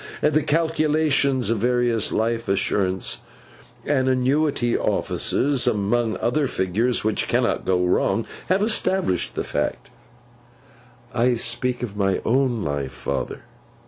The calculations of various life assurance and annuity offices, among other figures which cannot go wrong, have established the fact.' 'I speak of my own life, father.